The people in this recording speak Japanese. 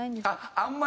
あんまり。